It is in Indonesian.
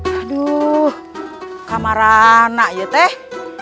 aduh kamar anak yeteh